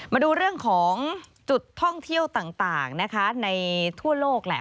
มาดูเรื่องของจุดท่องเที่ยวต่างนะคะในทั่วโลกแหละ